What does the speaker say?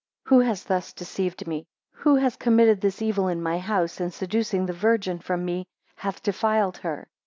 4 Who has thus deceived me? Who has committed this evil in my house, and seducing the Virgin from me, hath defiled her?